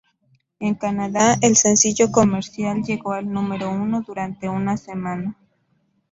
En Canadá, el sencillo comercial llegó al número uno durante una semana.